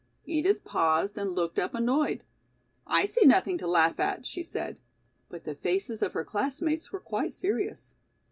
Edith paused and looked up, annoyed. "I see nothing to laugh at," she said. But the faces of her classmates were quite serious.